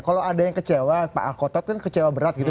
kalau ada yang kecewa pak alkotot kan kecewa berat gitu